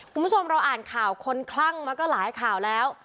คุณผู้ชมเราอ่านข่าวคนคลั่งมาก็หลายข่าวแล้ว